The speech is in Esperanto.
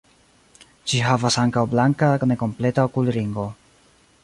Ĝi havas ankaŭ blanka nekompleta okulringo.